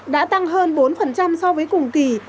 đã tăng hơn bốn so với cùng kỳ